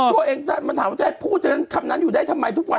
ตัวเองมันถามว่าจะพูดคำนั้นอยู่ได้ทำไมทุกวัน